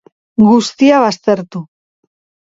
Guztia baztertu.